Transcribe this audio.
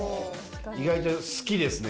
意外と好きですね